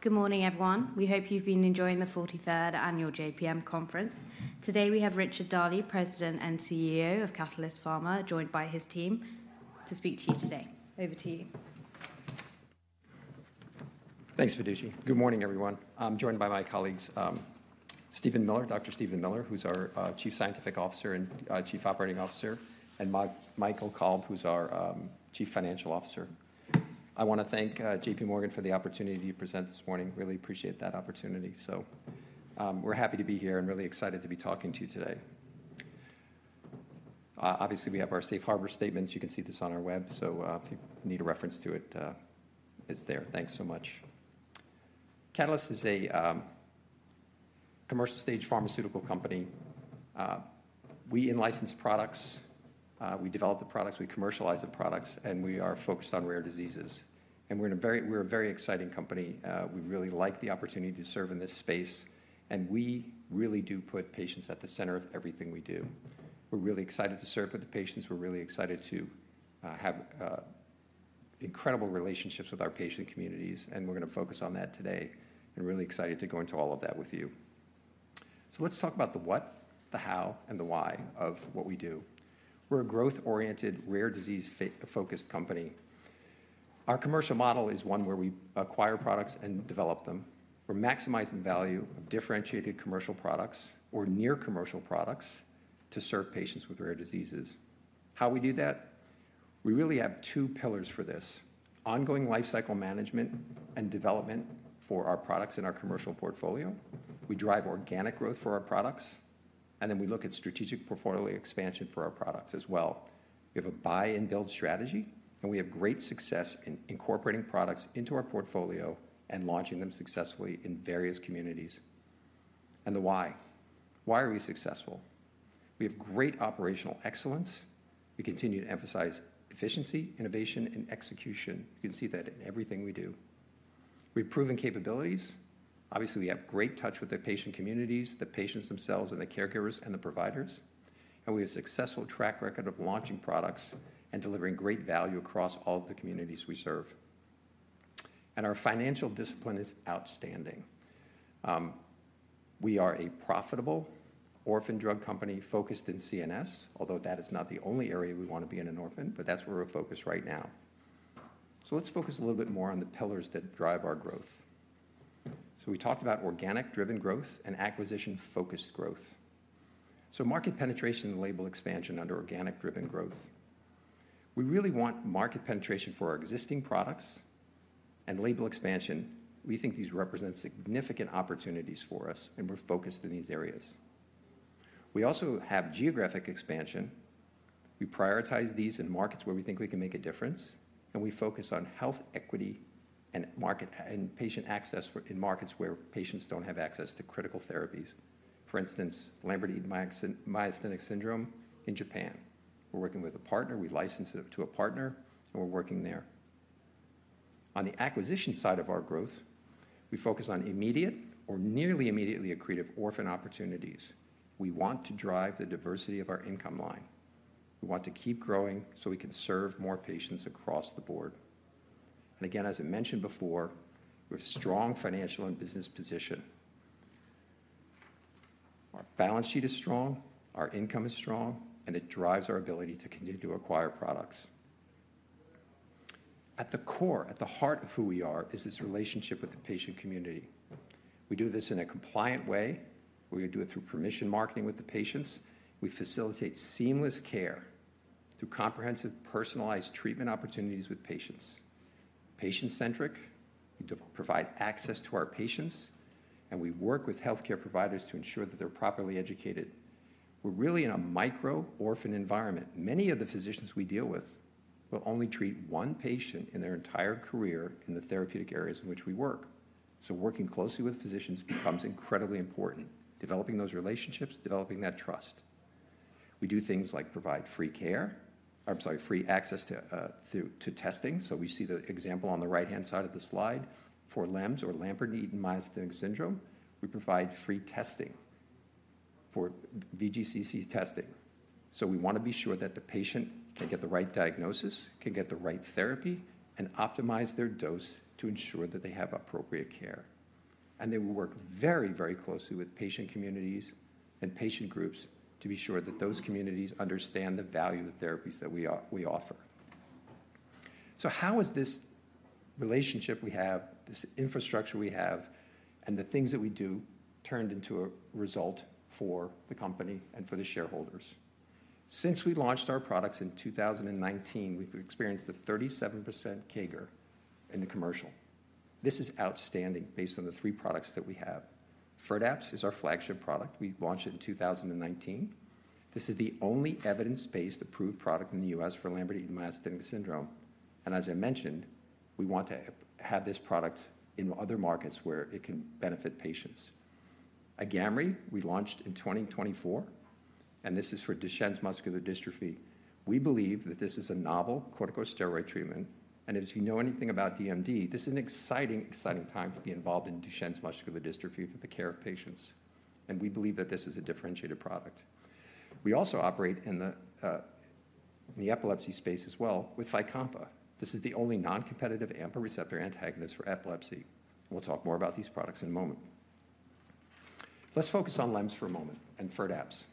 Good morning, everyone. We hope you've been enjoying the 43rd Annual JPM Conference. Today we have Richard Daly, President and CEO of Catalyst Pharma, joined by his team to speak to you today. Over to you. Thanks, Fiducci. Good morning, everyone. I'm joined by my colleagues, Dr. Steven Miller, who's our Chief Scientific Officer and Chief Operating Officer, and Michael Kalb, who's our Chief Financial Officer. I want to thank JPMorgan for the opportunity to present this morning. Really appreciate that opportunity. We're happy to be here and really excited to be talking to you today. Obviously, we have our Safe Harbor statements. You can see this on our web, so if you need a reference to it, it's there. Thanks so much. Catalyst is a commercial-stage pharmaceutical company. We license products. We develop the products. We commercialize the products. We are focused on rare diseases. We're a very exciting company. We really like the opportunity to serve in this space. We really do put patients at the center of everything we do. We're really excited to serve for the patients. We're really excited to have incredible relationships with our patient communities. And we're going to focus on that today. And we're really excited to go into all of that with you. So let's talk about the what, the how, and the why of what we do. We're a growth-oriented, rare disease-focused company. Our commercial model is one where we acquire products and develop them. We're maximizing value of differentiated commercial products or near-commercial products to serve patients with rare diseases. How do we do that? We really have two pillars for this: ongoing lifecycle management and development for our products in our commercial portfolio. We drive organic growth for our products. And then we look at strategic portfolio expansion for our products as well. We have a buy-and-build strategy. And we have great success in incorporating products into our portfolio and launching them successfully in various communities. And the why. Why are we successful? We have great operational excellence. We continue to emphasize efficiency, innovation, and execution. You can see that in everything we do. We have proven capabilities. Obviously, we have great touch with the patient communities, the patients themselves, and the caregivers and the providers, and we have a successful track record of launching products and delivering great value across all of the communities we serve, and our financial discipline is outstanding. We are a profitable orphan drug company focused in CNS, although that is not the only area we want to be in an orphan, but that's where we're focused right now, so let's focus a little bit more on the pillars that drive our growth, so we talked about organic-driven growth and acquisition-focused growth, so market penetration and label expansion under organic-driven growth. We really want market penetration for our existing products. Label expansion, we think these represent significant opportunities for us. We're focused in these areas. We also have geographic expansion. We prioritize these in markets where we think we can make a difference. We focus on health equity and patient access in markets where patients don't have access to critical therapies. For instance, Lambert-Eaton Myasthenic Syndrome in Japan. We're working with a partner. We license it to a partner. We're working there. On the acquisition side of our growth, we focus on immediate or nearly immediately accretive orphan opportunities. We want to drive the diversity of our income line. We want to keep growing so we can serve more patients across the board. Again, as I mentioned before, we have a strong financial and business position. Our balance sheet is strong. Our income is strong. It drives our ability to continue to acquire products. At the core, at the heart of who we are, is this relationship with the patient community. We do this in a compliant way. We do it through permission marketing with the patients. We facilitate seamless care through comprehensive personalized treatment opportunities with patients. Patient-centric, we provide access to our patients, and we work with healthcare providers to ensure that they're properly educated. We're really in a micro-orphan environment. Many of the physicians we deal with will only treat one patient in their entire career in the therapeutic areas in which we work. So working closely with physicians becomes incredibly important. Developing those relationships, developing that trust. We do things like provide free access to testing. So we see the example on the right-hand side of the slide for LEMS or Lambert-Eaton myasthenic syndrome. We provide free testing for VGCC testing. We want to be sure that the patient can get the right diagnosis, can get the right therapy, and optimize their dose to ensure that they have appropriate care. And then we work very, very closely with patient communities and patient groups to be sure that those communities understand the value of the therapies that we offer. So how has this relationship we have, this infrastructure we have, and the things that we do turned into a result for the company and for the shareholders? Since we launched our products in 2019, we've experienced a 37% CAGR in the commercial. This is outstanding based on the three products that we have. FIRDAPSE is our flagship product. We launched it in 2019. This is the only evidence-based, approved product in the U.S. for Lambert-Eaton Myasthenic Syndrome. As I mentioned, we want to have this product in other markets where it can benefit patients. AGAMREE, we launched in 2024. This is for Duchenne Muscular Dystrophy. We believe that this is a novel corticosteroid treatment. If you know anything about DMD, this is an exciting, exciting time to be involved in Duchenne Muscular Dystrophy for the care of patients. We believe that this is a differentiated product. We also operate in the epilepsy space as well with Fycompa. This is the only non-competitive AMPA Receptor antagonist for epilepsy. We'll talk more about these products in a moment. Let's focus on LEMS for a moment and FIRDAPSE.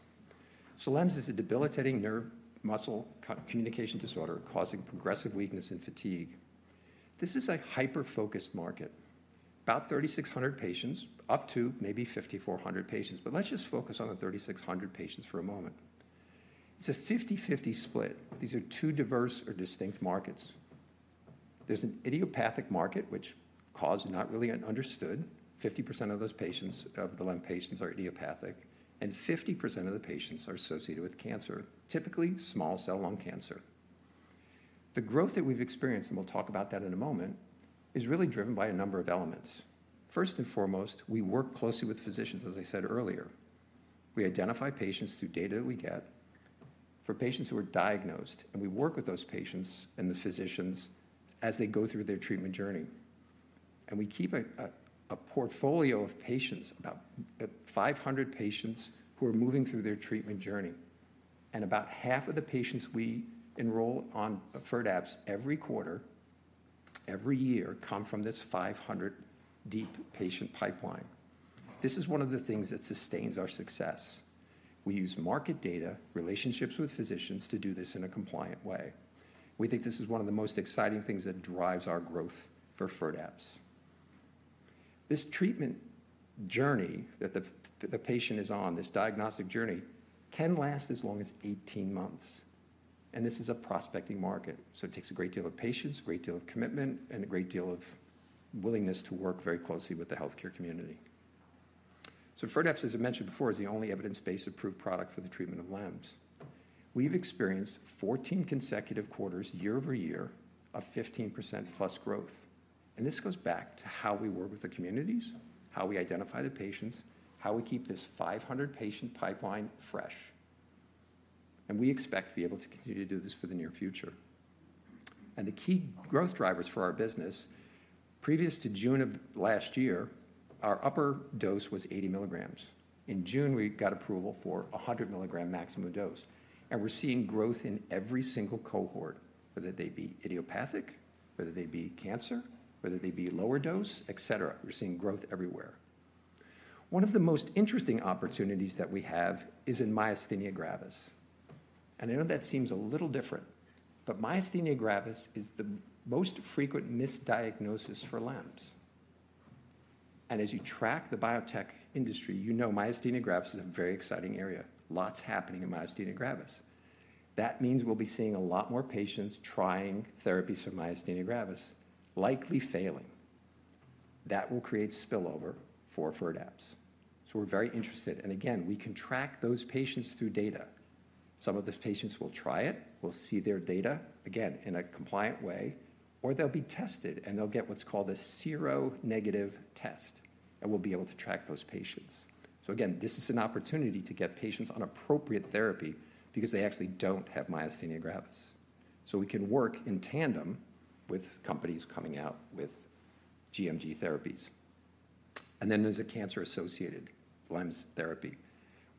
LEMS is a debilitating nerve-muscle communication disorder causing progressive weakness and fatigue. This is a hyper-focused market. About 3,600 patients, up to maybe 5,400 patients. Let's just focus on the 3,600 patients for a moment. It's a 50/50 split. These are two diverse or distinct markets. There's an idiopathic market, which cause is not really understood. 50% of those patients, of the LEMS patients, are idiopathic, and 50% of the patients are associated with cancer, typically small cell lung cancer. The growth that we've experienced, and we'll talk about that in a moment, is really driven by a number of elements. First and foremost, we work closely with physicians, as I said earlier. We identify patients through data that we get for patients who are diagnosed, and we work with those patients and the physicians as they go through their treatment journey, and we keep a portfolio of patients, about 500 patients who are moving through their treatment journey, and about half of the patients we enroll on FIRDAPSE every quarter, every year, come from this 500-deep patient pipeline. This is one of the things that sustains our success. We use market data, relationships with physicians to do this in a compliant way. We think this is one of the most exciting things that drives our growth for FIRDAPSE. This treatment journey that the patient is on, this diagnostic journey, can last as long as 18 months, and this is a prospecting market, so it takes a great deal of patience, a great deal of commitment, and a great deal of willingness to work very closely with the healthcare community, so FIRDAPSE, as I mentioned before, is the only evidence-based, approved product for the treatment of LEMS. We've experienced 14 consecutive quarters, year over year, of 15% plus growth, and this goes back to how we work with the communities, how we identify the patients, how we keep this 500 patient pipeline fresh. We expect to be able to continue to do this for the near future. The key growth drivers for our business, previous to June of last year, our upper dose was 80 milligrams. In June, we got approval for 100 milligram maximum dose. We're seeing growth in every single cohort, whether they be idiopathic, whether they be cancer, whether they be lower dose, et cetera. We're seeing growth everywhere. One of the most interesting opportunities that we have is in myasthenia gravis. I know that seems a little different, but myasthenia gravis is the most frequent misdiagnosis for LEMS. As you track the biotech industry, you know myasthenia gravis is a very exciting area. Lots happening in myasthenia gravis. That means we'll be seeing a lot more patients trying therapies for myasthenia gravis, likely failing. That will create spillover for FIRDAPSE. We're very interested. Again, we can track those patients through data. Some of the patients will try it. We'll see their data, again, in a compliant way. Or they'll be tested. They'll get what's called a seronegative test. We'll be able to track those patients. Again, this is an opportunity to get patients on appropriate therapy because they actually don't have myasthenia gravis. We can work in tandem with companies coming out with MG therapies. Then there's a cancer-associated LEMS therapy.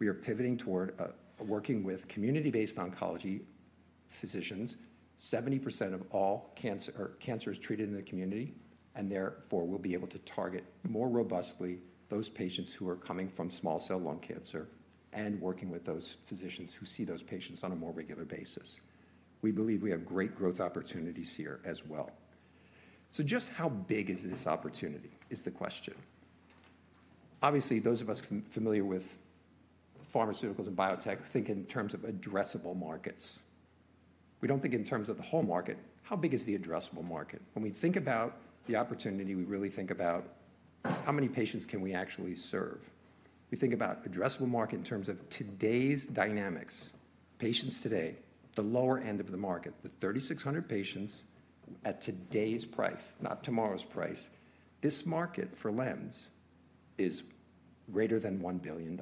We are pivoting toward working with community-based oncology physicians. 70% of all cancer is treated in the community. Therefore, we'll be able to target more robustly those patients who are coming from small cell lung cancer and working with those physicians who see those patients on a more regular basis. We believe we have great growth opportunities here as well. So just how big is this opportunity is the question. Obviously, those of us familiar with pharmaceuticals and biotech think in terms of addressable markets. We don't think in terms of the whole market. How big is the addressable market? When we think about the opportunity, we really think about how many patients can we actually serve. We think about addressable market in terms of today's dynamics. Patients today, the lower end of the market, the 3,600 patients at today's price, not tomorrow's price, this market for LEMS is greater than $1 billion.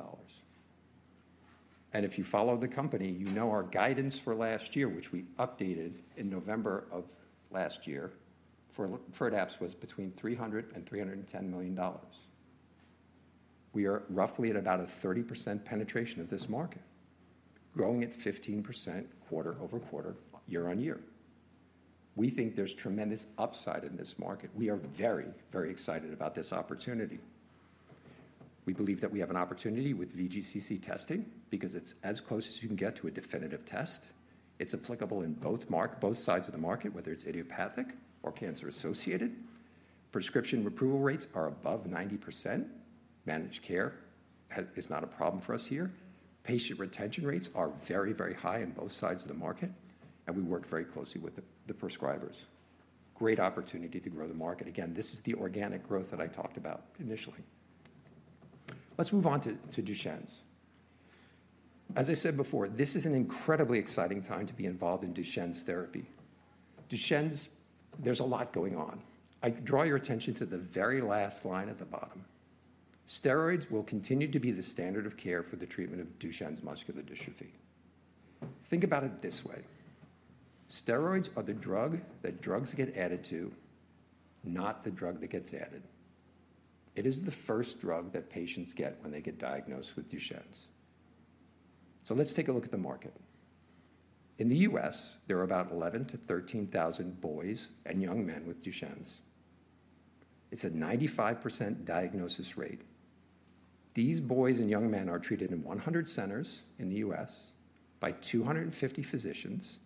And if you follow the company, you know our guidance for last year, which we updated in November of last year for FIRDAPSE, was between $300 million and $310 million. We are roughly at about a 30% penetration of this market, growing at 15% quarter-over-quarter, year-on-year. We think there's tremendous upside in this market. We are very, very excited about this opportunity. We believe that we have an opportunity with VGCC testing because it's as close as you can get to a definitive test. It's applicable in both sides of the market, whether it's idiopathic or cancer-associated. Prescription approval rates are above 90%. Managed care is not a problem for us here. Patient retention rates are very, very high on both sides of the market, and we work very closely with the prescribers. Great opportunity to grow the market. Again, this is the organic growth that I talked about initially. Let's move on to Duchenne's. As I said before, this is an incredibly exciting time to be involved in Duchenne's therapy. Duchenne's, there's a lot going on. I draw your attention to the very last line at the bottom. Steroids will continue to be the standard of care for the treatment of Duchenne Muscular Dystrophy. Think about it this way. Steroids are the drug that drugs get added to, not the drug that gets added. It is the first drug that patients get when they get diagnosed with Duchenne. So let's take a look at the market. In the U.S., there are about 11,000-13,000 boys and young men with Duchenne. It's a 95% diagnosis rate. These boys and young men are treated in 100 centers in the U.S. by 250 physicians.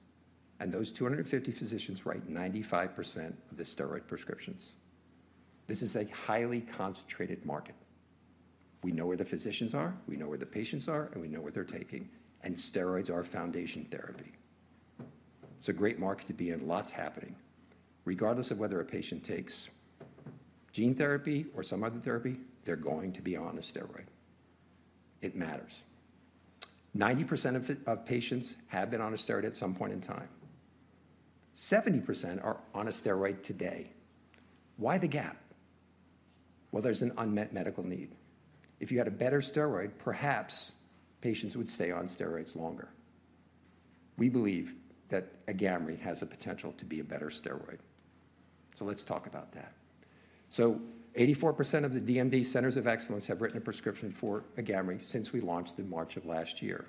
And those 250 physicians write 95% of the steroid prescriptions. This is a highly concentrated market. We know where the physicians are. We know where the patients are. And we know what they're taking. And steroids are foundation therapy. It's a great market to be in. Lots happening. Regardless of whether a patient takes gene therapy or some other therapy, they're going to be on a steroid. It matters. 90% of patients have been on a steroid at some point in time. 70% are on a steroid today. Why the gap? Well, there's an unmet medical need. If you had a better steroid, perhaps patients would stay on steroids longer. We believe that AGAMREE has the potential to be a better steroid. So let's talk about that. So 84% of the DMD Centers of Excellence have written a prescription for AGAMREE since we launched in March of last year.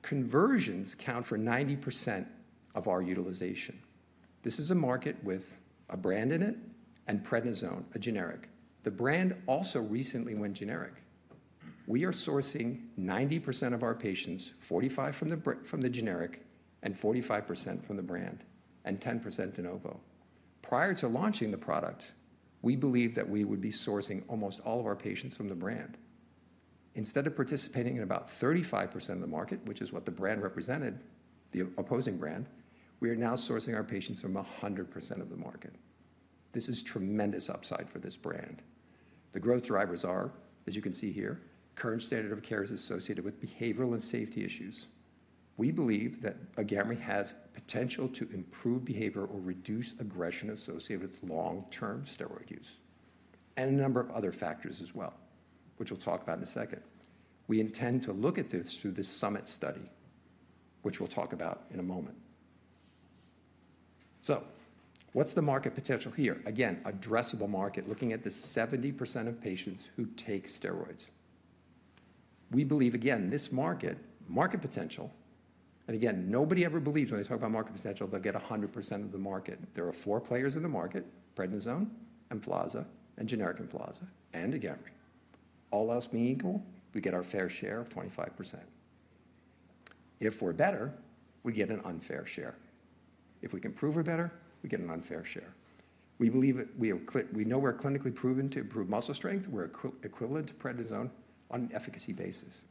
Conversions count for 90% of our utilization. This is a market with a brand in it and prednisone, a generic. The brand also recently went generic. We are sourcing 90% of our patients, 45% from the generic and 45% from the brand and 10% de novo. Prior to launching the product, we believed that we would be sourcing almost all of our patients from the brand. Instead of participating in about 35% of the market, which is what the brand represented, the opposing brand, we are now sourcing our patients from 100% of the market. This is tremendous upside for this brand. The growth drivers are, as you can see here, current standard of care is associated with behavioral and safety issues. We believe that AGAMREE has potential to improve behavior or reduce aggression associated with long-term steroid use and a number of other factors as well, which we'll talk about in a second. We intend to look at this through this SUMMIT Study, which we'll talk about in a moment. So what's the market potential here? Again, addressable market, looking at the 70% of patients who take steroids. We believe, again, this market, market potential. And again, nobody ever believes when they talk about market potential, they'll get 100% of the market. There are four players in the market: prednisone, EMFLAZA, generic Emflaza, and AGAMREE. All else being equal, we get our fair share of 25%. If we're better, we get an unfair share. If we can prove we're better, we get an unfair share. We believe we know we're clinically proven to improve muscle strength. We're equivalent to prednisone on an efficacy basis.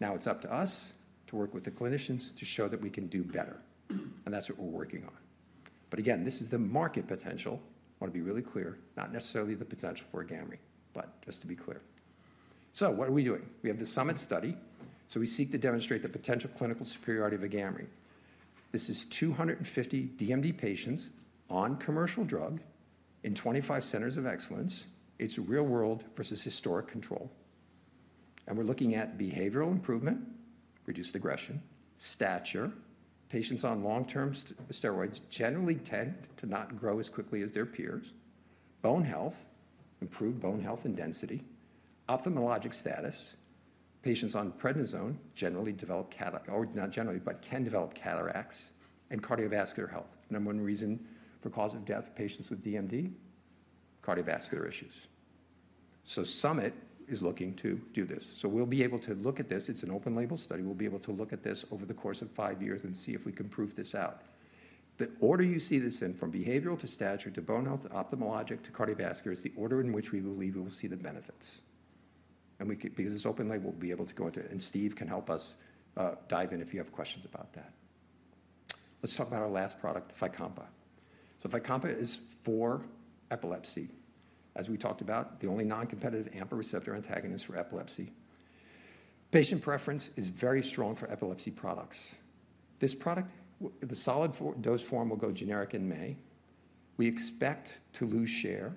Now it's up to us to work with the clinicians to show that we can do better. And that's what we're working on. But again, this is the market potential. I want to be really clear, not necessarily the potential for AGAMREE, but just to be clear. So what are we doing? We have this SUMMIT Study. So we seek to demonstrate the potential clinical superiority of AGAMREE. This is 250 DMD patients on commercial drug in 25 centers of excellence. It's real-world versus historic control. We're looking at behavioral improvement, reduced aggression, stature. Patients on long-term steroids generally tend to not grow as quickly as their peers. Bone health, improved bone health and density. Ophthalmologic status. Patients on prednisone generally develop cataracts, or not generally, but can develop cataracts. Cardiovascular health. Number one reason for cause of death of patients with DMD: cardiovascular issues. Summit is looking to do this. We'll be able to look at this. It's an open-label study. We'll be able to look at this over the course of five years and see if we can prove this out. The order you see this in, from behavioral to stature to bone health to ophthalmologic to cardiovascular, is the order in which we believe we will see the benefits. Because it's open-label, we'll be able to go into it. Steve can help us dive in if you have questions about that. Let's talk about our last product, FYCOMPA. FYCOMPA is for epilepsy, as we talked about, the only non-competitive AMPA Receptor antagonist for epilepsy. Patient preference is very strong for epilepsy products. This product, the solid dose form, will go generic in May. We expect to lose share,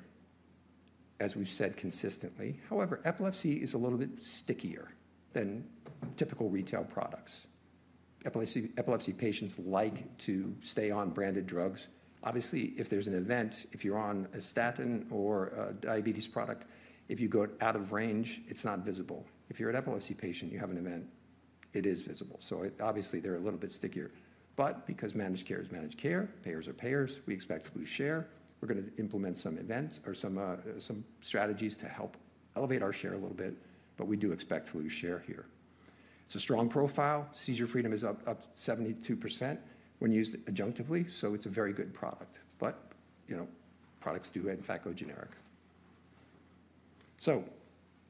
as we've said consistently. However, epilepsy is a little bit stickier than typical retail products. Epilepsy patients like to stay on branded drugs. Obviously, if there's an event, if you're on a statin or a diabetes product, if you go out of range, it's not visible. If you're an epilepsy patient, you have an event, it is visible. Obviously, they're a little bit stickier. But because managed care is managed care, payers are payers, we expect to lose share. We're going to implement some events or some strategies to help elevate our share a little bit. But we do expect to lose share here. It's a strong profile. Seizure freedom is up 72% when used adjunctively. So it's a very good product. But products do, in fact, go generic. So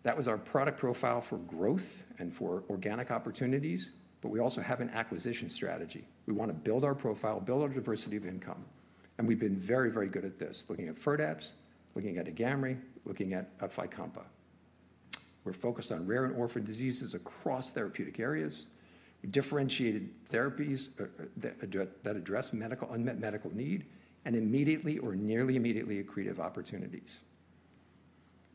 that was our product profile for growth and for organic opportunities. But we also have an acquisition strategy. We want to build our profile, build our diversity of income. And we've been very, very good at this, looking at FIRDAPSE, looking at AGAMREE, looking at Fycompa. We're focused on rare and orphan diseases across therapeutic areas, differentiated therapies that address unmet medical need, and immediately or nearly immediately accretive opportunities.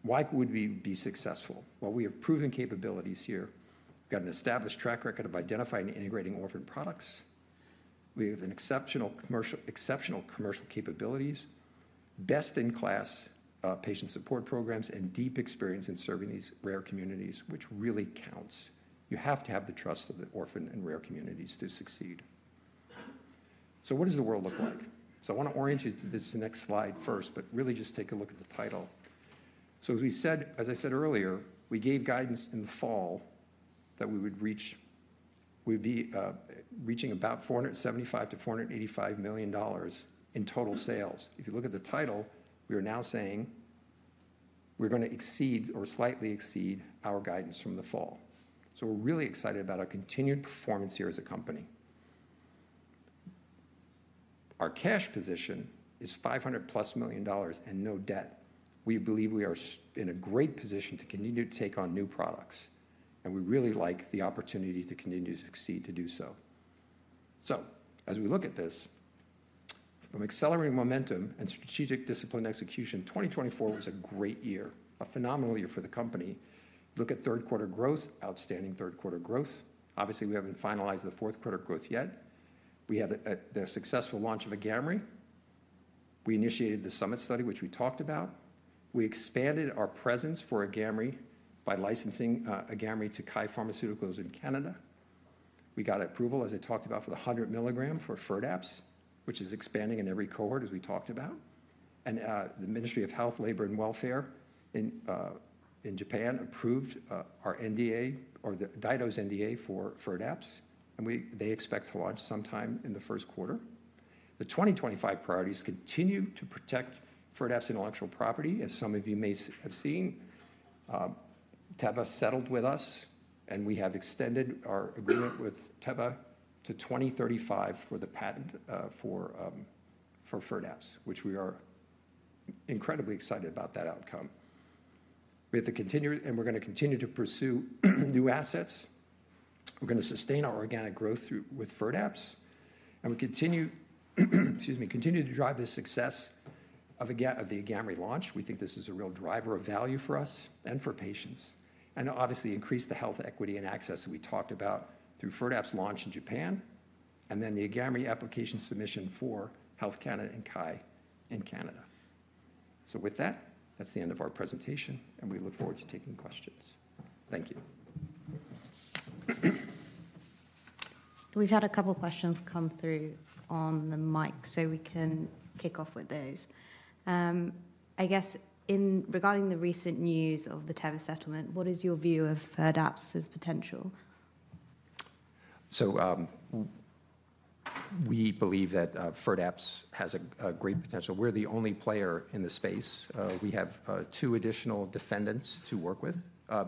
Why would we be successful? Well, we have proven capabilities here. We've got an established track record of identifying and integrating orphan products. We have exceptional commercial capabilities, best-in-class patient support programs, and deep experience in serving these rare communities, which really counts. You have to have the trust of the orphan and rare communities to succeed. So what does the world look like? So I want to orient you to this next slide first, but really just take a look at the title. So as I said earlier, we gave guidance in the fall that we would be reaching about $475 million-$485 million in total sales. If you look at the title, we are now saying we're going to exceed or slightly exceed our guidance from the fall. So we're really excited about our continued performance here as a company. Our cash position is $500 million plus and no debt. We believe we are in a great position to continue to take on new products. And we really like the opportunity to continue to succeed to do so. So as we look at this, from accelerating momentum and strategic discipline execution, 2024 was a great year, a phenomenal year for the company. Look at third-quarter growth, outstanding third-quarter growth. Obviously, we haven't finalized the fourth-quarter growth yet. We had the successful launch of AGAMREE. We initiated the SUMMIT Study, which we talked about. We expanded our presence for AGAMREE by licensing AGAMREE to KYE Pharmaceuticals in Canada. We got approval, as I talked about, for the 100 milligram for FIRDAPSE, which is expanding in every cohort, as we talked about. And the Ministry of Health, Labour and Welfare in Japan approved our NDA or the DyDo's NDA for FIRDAPSE. And they expect to launch sometime in the first quarter. The 2025 priorities continue to protect FIRDAPSE intellectual property, as some of you may have seen. Teva settled with us. And we have extended our agreement with Teva to 2035 for the patent for FIRDAPSE, which we are incredibly excited about that outcome. And we're going to continue to pursue new assets. We're going to sustain our organic growth with FIRDAPSE. And we continue to drive the success of the AGAMREE launch. We think this is a real driver of value for us and for patients. And obviously, increase the health equity and access that we talked about through FIRDAPSE launch in Japan. And then the AGAMREE application submission for Health Canada and KYE in Canada. So with that, that's the end of our presentation. And we look forward to taking questions. Thank you. We've had a couple of questions come through on the mic, so we can kick off with those. I guess regarding the recent news of the Teva settlement, what is your view of FIRDAPSE's potential? So we believe that FIRDAPSE has a great potential. We're the only player in the space. We have two additional defendants to work with.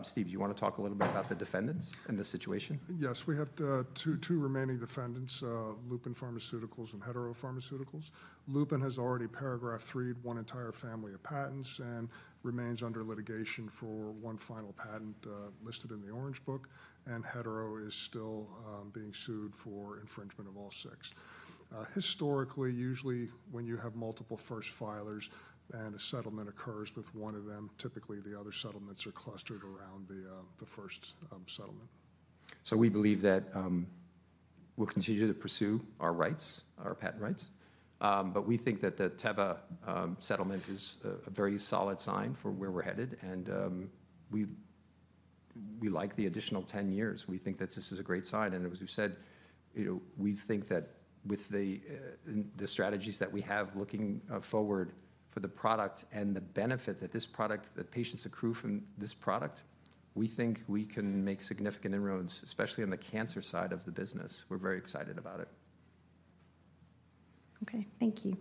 Steve, do you want to talk a little bit about the defendants and the situation? Yes. We have two remaining defendants, Lupin Pharmaceuticals and Hetero Pharmaceuticals. Lupin has already Paragraph IV'd the entire family of patents and remains under litigation for one final patent listed in the Orange Book. Hetero is still being sued for infringement of all six. Historically, usually when you have multiple first filers and a settlement occurs with one of them, typically the other settlements are clustered around the first settlement. So we believe that we'll continue to pursue our rights, our patent rights. But we think that the Teva settlement is a very solid sign for where we're headed. And we like the additional 10 years. We think that this is a great sign. And as we've said, we think that with the strategies that we have looking forward for the product and the benefit that this product, that patients accrue from this product, we think we can make significant inroads, especially on the cancer side of the business. We're very excited about it. Okay. Thank you.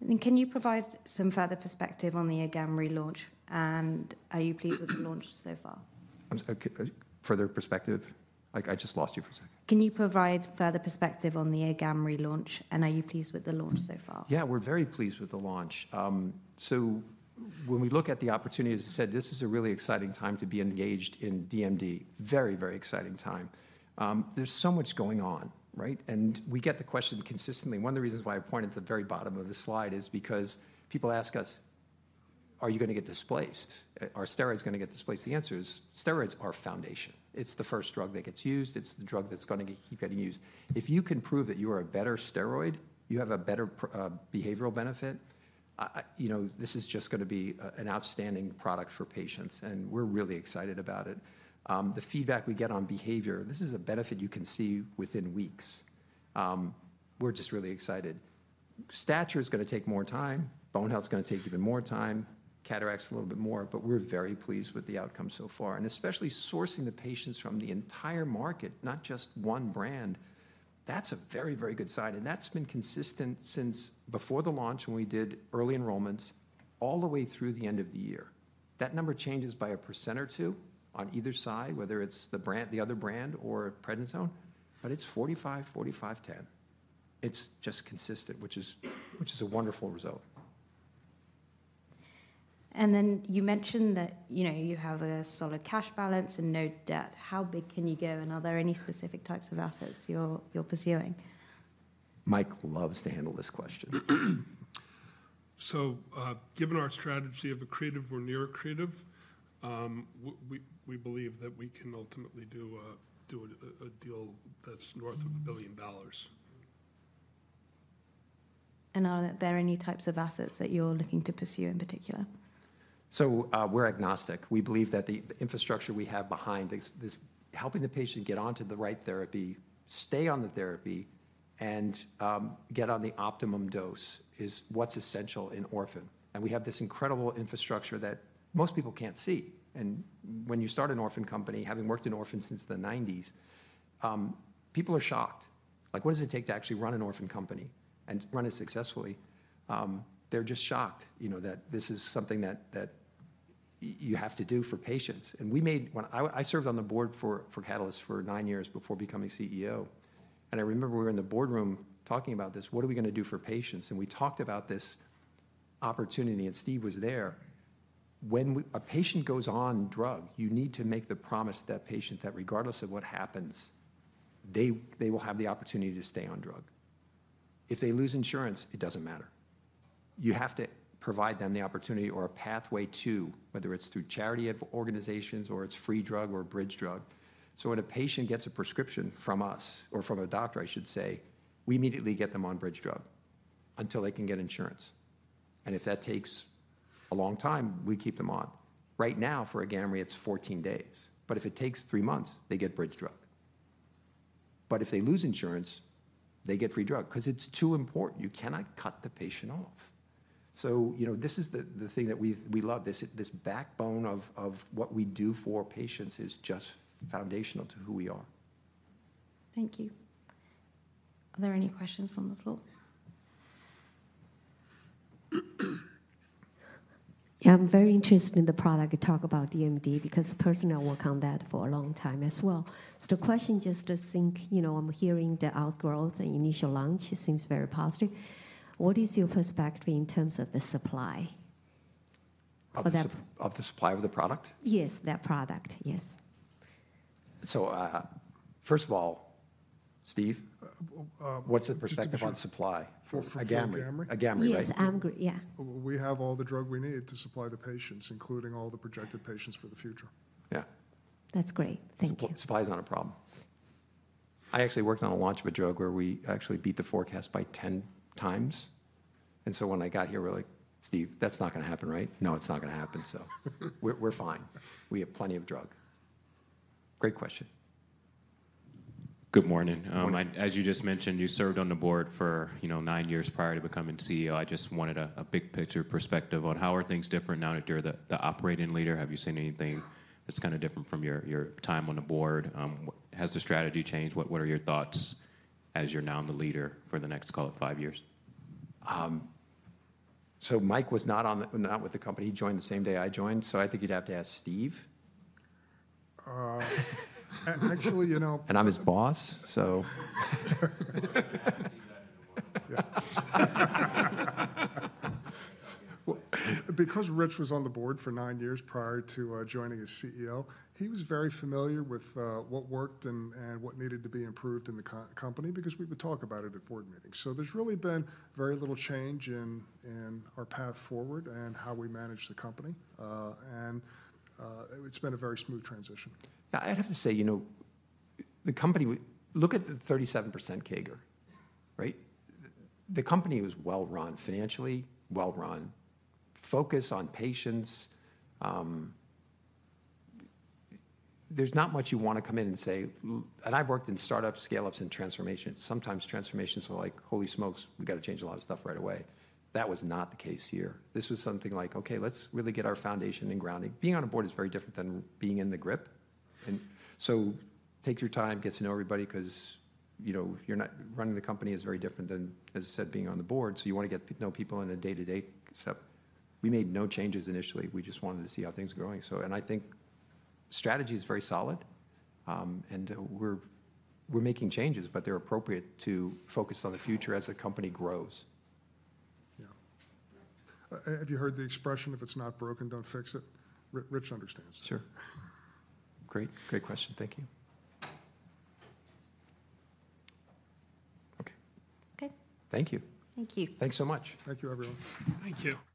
And can you provide some further perspective on the AGAMREE launch? And are you pleased with the launch so far? For their perspective? I just lost you for a second. Can you provide further perspective on the AGAMREE launch? And are you pleased with the launch so far? Yeah, we're very pleased with the launch. So when we look at the opportunity, as I said, this is a really exciting time to be engaged in DMD. Very, very exciting time. There's so much going on, right? And we get the question consistently. One of the reasons why I point at the very bottom of the slide is because people ask us, are you going to get displaced? Are steroids going to get displaced? The answer is steroids are foundation. It's the first drug that gets used. It's the drug that's going to keep getting used. If you can prove that you are a better steroid, you have a better behavioral benefit, this is just going to be an outstanding product for patients. And we're really excited about it. The feedback we get on behavior, this is a benefit you can see within weeks. We're just really excited. Stature is going to take more time. Bone health is going to take even more time. Cataracts a little bit more. But we're very pleased with the outcome so far. And especially sourcing the patients from the entire market, not just one brand, that's a very, very good sign. And that's been consistent since before the launch when we did early enrollments all the way through the end of the year. That number changes by 1% or 2% on either side, whether it's the other brand or prednisone, but it's 45%, 45%, 10%. It's just consistent, which is a wonderful result. Then you mentioned that you have a solid cash balance and no debt. How big can you go? Are there any specific types of assets you're pursuing? Mike loves to handle this question. Given our strategy of accretive or near accretive, we believe that we can ultimately do a deal that's north of $1 billion. Are there any types of assets that you're looking to pursue in particular? We're agnostic. We believe that the infrastructure we have behind this, helping the patient get onto the right therapy, stay on the therapy, and get on the optimum dose is what's essential in orphan. And we have this incredible infrastructure that most people can't see. And when you start an orphan company, having worked in orphans since the 1990s, people are shocked. Like, what does it take to actually run an orphan company and run it successfully? They're just shocked that this is something that you have to do for patients. And I served on the board for Catalyst for nine years before becoming CEO. And I remember we were in the boardroom talking about this. What are we going to do for patients? And we talked about this opportunity, and Steve was there. When a patient goes on drug, you need to make the promise to that patient that regardless of what happens, they will have the opportunity to stay on drug. If they lose insurance, it doesn't matter. You have to provide them the opportunity or a pathway to whether it's through charity organizations or it's free drug or bridge drug, so when a patient gets a prescription from us or from a doctor, I should say, we immediately get them on bridge drug until they can get insurance, and if that takes a long time, we keep them on. Right now, for AGAMREE, it's 14 days, but if it takes three months, they get bridge drug, but if they lose insurance, they get free drug because it's too important, you cannot cut the patient off, so this is the thing that we love. This backbone of what we do for patients is just foundational to who we are. Thank you. Are there any questions from the floor? Yeah, I'm very interested in the product you talk about, DMD, because personally, I work on that for a long time as well. So the question just to think, I'm hearing the uptake and initial launch seems very positive. What is your perspective in terms of the supply? Of the supply of the product? Yes, that product, yes. So first of all, Steve, what's the perspective on supply for AGAMREE? For AGAMREE? AGAMREE, right? Yes, AGAMREE, yeah. We have all the drug we need to supply the patients, including all the projected patients for the future. Yeah. That's great. Thank you. Supply is not a problem. I actually worked on a launch of a drug where we actually beat the forecast by 10x. And so when I got here, we're like, Steve, that's not going to happen, right? No, it's not going to happen. So we're fine. We have plenty of drug. Great question. Good morning. As you just mentioned, you served on the board for nine years prior to becoming CEO. I just wanted a big-picture perspective on how are things different now that you're the operating leader? Have you seen anything that's kind of different from your time on the board? Has the strategy changed? What are your thoughts as you're now the leader for the next, call it, five years? So Mike was not with the company. He joined the same day I joined. So I think you'd have to ask Steve. Actually, you know. And I'm his boss, so. Because Rich was on the board for nine years prior to joining as CEO, he was very familiar with what worked and what needed to be improved in the company because we would talk about it at board meetings, so there's really been very little change in our path forward and how we manage the company, and it's been a very smooth transition. Yeah, I'd have to say, you know, the company, look at the 37% CAGR, right? The company was well-run financially, well-run, focused on patients. There's not much you want to come in and say, and I've worked in startups, scale-ups, and transformations. Sometimes transformations are like, holy smokes, we got to change a lot of stuff right away. That was not the case here. This was something like, okay, let's really get our foundation and grounding. Being on a board is very different than being in the C-suite. So take your time, get to know everybody because running the company is very different than, as I said, being on the board. You want to get to know people on a day-to-day basis. We made no changes initially. We just wanted to see how things were going. I think strategy is very solid. We're making changes, but they're appropriate to focus on the future as the company grows. Yeah. Have you heard the expression, if it's not broken, don't fix it? Rich understands that. Sure. Great. Great question. Thank you. Okay. Okay. Thank you. Thank you. Thanks so much. Thank you, everyone. Thank you.